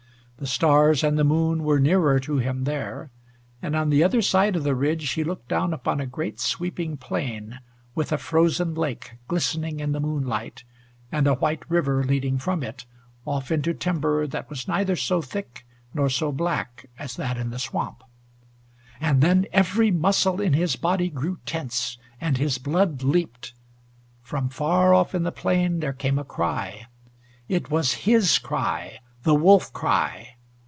The stars and the moon were nearer to him there, and on the other side of the ridge he looked down upon a great sweeping plain, with a frozen lake glistening in the moonlight, and a white river leading from it off into timber that was neither so thick nor so black as that in the swamp. And then every muscle in his body grew tense, and his blood leaped. From far off in the plain there came a cry. It was his cry the wolf cry.